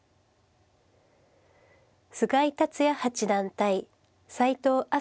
菅井竜也八段対斎藤明日斗四段。